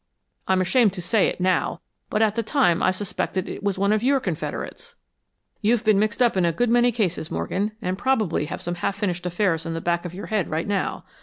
I'm ashamed to say it, now, but at the time I suspected it was one of your confederates." "You've been mixed up in a good many cases, Morgan, and probably have some half finished affairs in the back of your head right now.